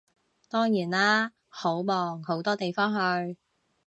當然啦，好忙好多地方去